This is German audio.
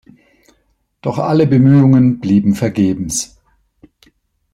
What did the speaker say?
Doch alle Bemühungen blieben vergebens.